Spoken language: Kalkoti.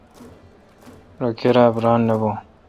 رو کیرا بھ ران نہ بھو۔